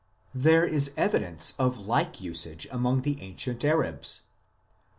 There is evidence of like usage among the ancient Arabs.